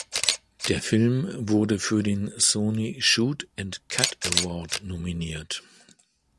Der Film wurde für den Sony Shoot and Cut Award nominiert.